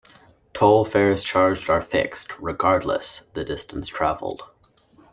Toll fares charged are fixed regardless the distance travelled.